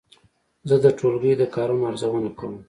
زه د ټولګي د کارونو ارزونه کوم.